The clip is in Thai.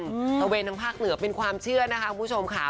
บริเวณทางภาคเหนือเป็นความเชื่อนะคะคุณผู้ชมค่ะ